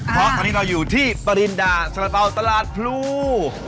เพราะตอนนี้เราอยู่ที่ปริณดาสารเบาตลาดพลู